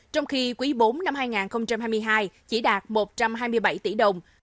trong khi quý bốn năm hai nghìn hai mươi hai chỉ đạt một trăm hai mươi bảy tỷ đồng